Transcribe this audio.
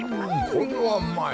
これはうまい。